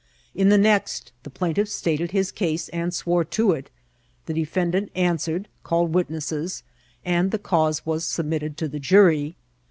In the next, the plain* tiff stated his case, and swore to it ; the defendant an swered, called witnesses, and the cause was submitted to the jury.